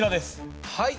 はい。